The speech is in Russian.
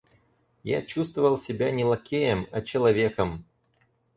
Я чувствовал себя не лакеем, а человеком.